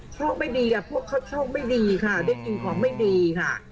โชคไม่ดีพวกเขาโชคไม่ดีค่ะได้กินของไม่ดีค่ะ